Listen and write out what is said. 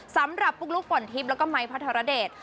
สำหรับปุ๊กลุ๊กป่อนทิพย์แล้วก็ไมค์พระธรเดช